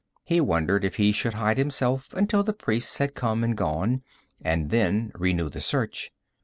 He wondered if he should hide himself until the priests had come and gone, and then renew the search.